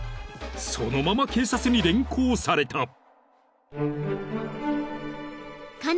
［そのまま警察に連行された］